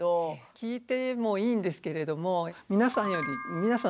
聞いてもいいんですけれども皆さんより皆さん